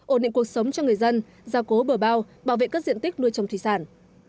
ổn định cuộc sống cho người dân gia cố bờ bao bảo vệ các diện tích nuôi trồng thủy sản